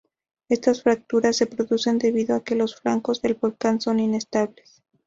Estas fracturas se producen debido a que los flancos del volcán son inestables.